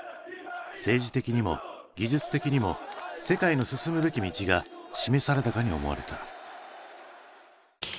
政治的にも技術的にも世界の進むべき道が示されたかに思われた。